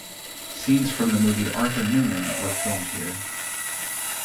Scenes from the movie "Arthur Newman" were filmed here.